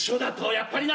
やっぱりな。